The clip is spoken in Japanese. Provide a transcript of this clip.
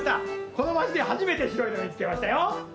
このまちではじめて白いのみつけましたよ。